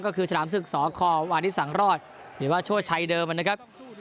ก็คือฉลามศึกสควานิสังรอดหรือว่าโชชัยเดิมนะครับ